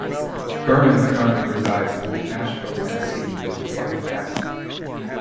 Berman currently resides in Nashville, Tennessee with his wife Cassie.